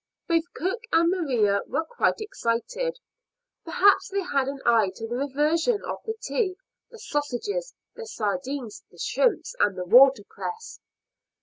Both cook and Maria were quite excited. Perhaps they had an eye to the reversion of the tea, the sausages, the sardines, the shrimps, and the water cress.